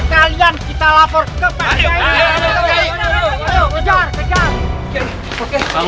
kalian kita lapor ke pak kiai